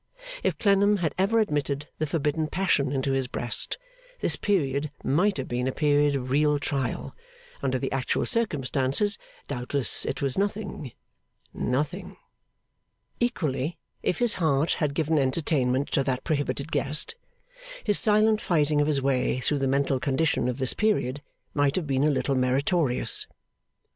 If Clennam had ever admitted the forbidden passion into his breast, this period might have been a period of real trial; under the actual circumstances, doubtless it was nothing nothing. Equally, if his heart had given entertainment to that prohibited guest, his silent fighting of his way through the mental condition of this period might have been a little meritorious.